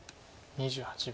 ２８秒。